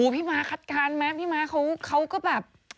ม้าคัดการณ์พี่ม้าเขาก็แบบ